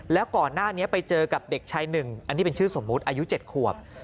แล้วก่อนหน้านี้ไปเจอกับเด็กชายหนึ่งอันนี้เป็นชื่อสมมุติอายุ๗ขวบ